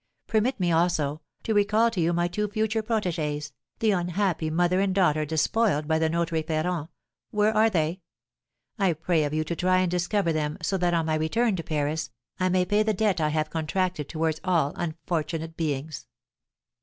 Permit me, also, to recall to you my two future protégées, the unhappy mother and daughter despoiled by the notary Ferrand, where are they? I pray of you to try and discover them, so that, on my return to Paris, I may pay the debt I have contracted towards all unfortunate beings."